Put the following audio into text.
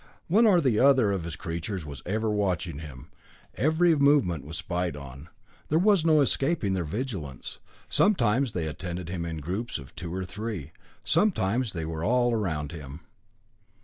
One or other of his creatures was ever watching him. His every movement was spied on. There was no escaping their vigilance. Sometimes they attended him in groups of two or three; sometimes they were all around him.